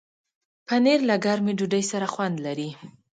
پنېر له ګرمې ډوډۍ سره خوند لري.